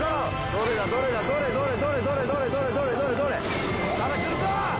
どれだどれだどれどれどれどれどれどれどれどれどれ・まだくるぞ！